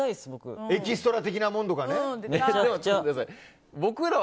エキストラ的なものとかね。